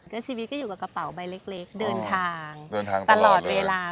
เรื่องชีวิตก็อยู่กับกระเป๋าใบเล็กเดินทางตลอดเวลา